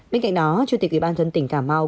bên cạnh đó chủ tịch ủy ban dân tỉnh cà mau